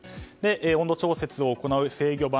温度調節を行う制御盤